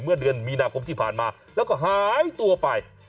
เมื่อเดือนมีนาคมที่ผ่านมาแล้วก็หายตัวไป